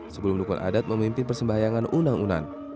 sebelum dukungan adat memimpin persembahyangan unan unan